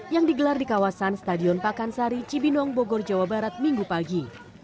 yang digelar di kawasan stadion pakansari cibinong bogor jawa barat minggu pagi